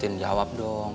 tin jawab dong